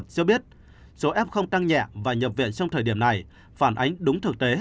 cho biết số f tăng nhẹ và nhập viện trong thời điểm này phản ánh đúng thực tế